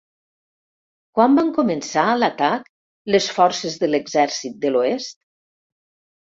Quan van començar l'atac les forces de l'«Exèrcit de l'Oest»?